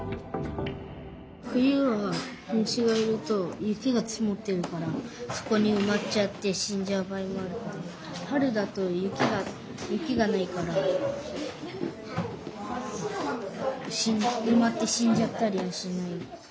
冬は虫がいると雪がつもっているからそこにうまっちゃって死んじゃう場合もあるけど春だと雪がないからうまって死んじゃったりはしない。